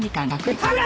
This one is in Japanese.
はい。